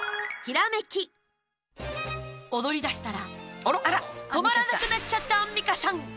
踊りだしたら止まらなくなっちゃったアンミカさん。